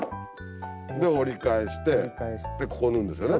折り返してここ縫うんですよね？